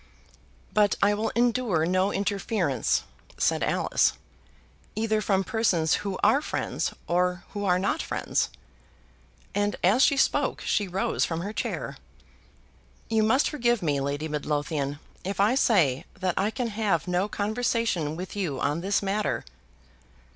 "But I will endure no interference," said Alice, "either from persons who are friends or who are not friends." And as she spoke she rose from her chair. "You must forgive me, Lady Midlothian, if I say that I can have no conversation with you on this matter."